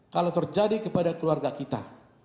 kalau terjadi kepada keluarga kita